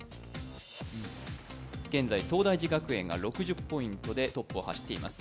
現在東大寺学園が６０ポイントでトップを走っております。